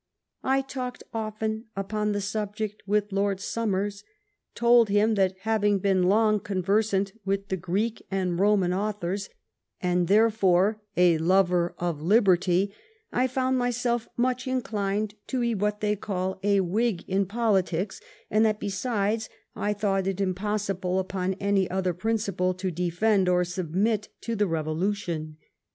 "I talked often upon the subject with Lord Som mers; told him, that having been long conversant with the Greek and Boman authors, and therefore a lover of liberty, I found myself much inclined to be what they called a Whig in politics; and that, besides, I thought it impossible upon any other principle to de 881 THE BEION OF QUEEN ANNE fend or submit to the Bevolution.